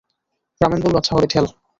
রমেন বলল-আচ্ছা হবে, ঠেল।